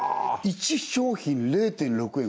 １商品０．６円